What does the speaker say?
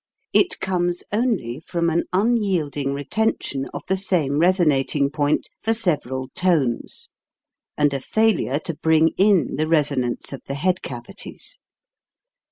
It comes only from an unyielding retention of the same res onating point for several tones and a failure to bring in the resonance of the head cavities.